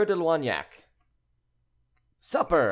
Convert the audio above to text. DE LOIGNAC. "Supper!"